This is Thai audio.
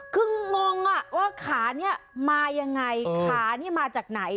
คึงงงอ่ะว่าขาเนี่ยมายังไงคอเนี่ยมาจากไหน